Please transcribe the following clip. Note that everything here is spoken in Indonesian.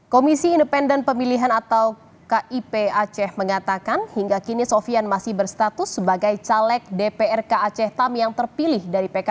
komisi independen pemilihan atau kip aceh mengatakan hingga kini sofian masih berstatus sebagai caleg dprk aceh tam yang terpilih dari pks